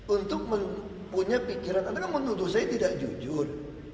untuk punya pikiran anda kan menuntut saya tidak jujur